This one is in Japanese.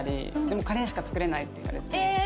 でも「カレーしか作れない」って言われて。